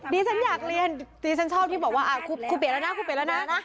ดีฉันอยากเรียนดีฉันชอบที่บอกว่าพี่เปลี่ยนแล้วนะ